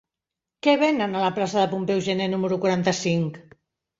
Què venen a la plaça de Pompeu Gener número quaranta-cinc?